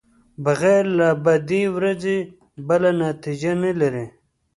بغیر له بدې ورځې بله نتېجه نلري.